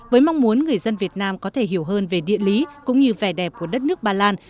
với mong muốn người dân việt nam có thể hiểu hơn về địa lý cũng như vẻ đẹp của đất nước ba lan